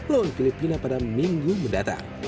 long filipina pada minggu mendatang